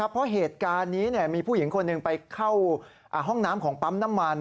เพราะเหตุการณ์นี้มีผู้หญิงคนหนึ่งไปเข้าห้องน้ำของปั๊มน้ำมัน